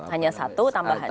hanya satu tambahannya